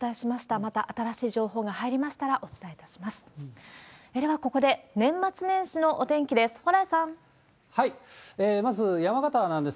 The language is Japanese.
また新しい情報が入りましたらお伝えいたします。